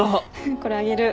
これあげる。